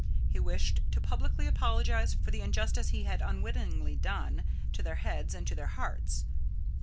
He wished to publicly apologize for the injustice he had unwittingly done to their heads and to their hearts.